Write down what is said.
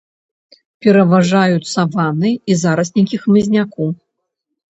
Пераважаюць саванны і зараснікі хмызняку.